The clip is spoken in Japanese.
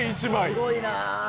すごいな。